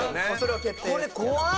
これ怖っ！